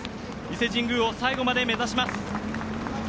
伊勢神宮を最後まで目指します。